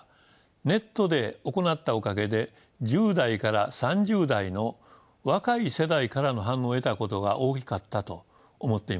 ネットで行ったおかげで１０代から３０代の若い世代からの反応を得たことが大きかったと思っています。